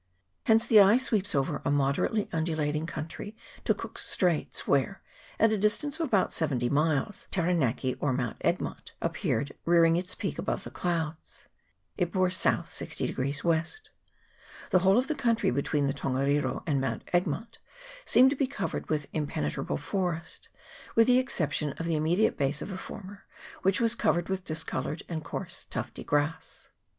Hence the eye sweeps over a moderately undulating country to Cook's Straits, where, at a distance of about seventy miles, Tara naki, or Mount Egmont, appeared rearing its peak above the clouds. It bore S. 60 W. The whole of the country between the Tongariro and Mount Egmont seemed to be covered with impenetrable forest, with the exception of the immediate base of the former, which was covered with discoloured and coarse tufty grass.